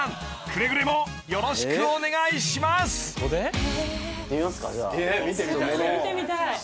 くれぐれもすげー見てみたいね